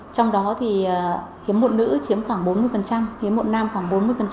trong đó thì hiếm muộn nữ chiếm khoảng bốn mươi hiếm muộn nam khoảng bốn mươi